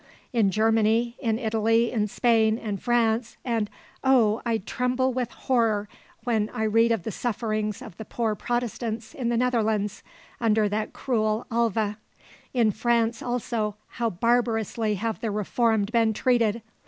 In Germany, in Italy, in Spain, and France, and, oh, I tremble with horror when I read of the sufferings of the poor Protestants in the Netherlands, under that cruel Alva! In France also, how barbarously have the Reformed been treated!